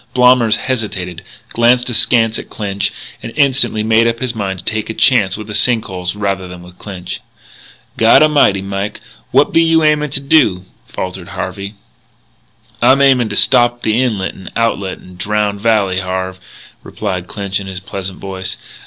Blommers hesitated, glanced askance at Clinch, and instantly made up his mind to take a chance with the sink holes rather than with Clinch. "God A'mighty, Mike, what be you aimin' to do?" faltered Harvey. "I'm aimin' to stop the inlet and outlet to Drowned Valley, Harve," replied Clinch in his pleasant voice.